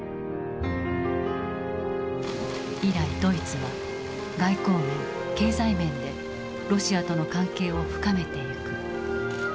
以来ドイツは外交面経済面でロシアとの関係を深めていく。